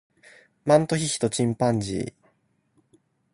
マントヒヒとチンパンジー